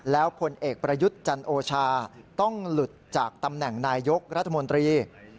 แล้วผลเอกประยุทธ์จันโอชาต้องหลุดจากตำแหน่งนายยกรัฐมนตรี